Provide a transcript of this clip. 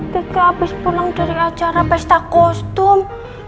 ketika habis pulang dari acara pesta kostum